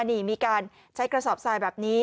นี่มีการใช้กระสอบทรายแบบนี้